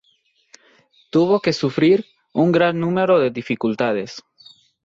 Tuvo que sufrir un gran número de dificultades.